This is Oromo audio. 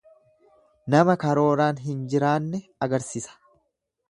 Nama karooraan hin jiraanne agarsisa.